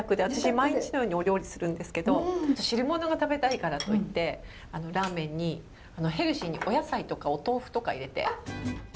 私毎日のようにお料理するんですけど汁物が食べたいからといってラーメンにヘルシーにお野菜とかお豆腐とか入れて。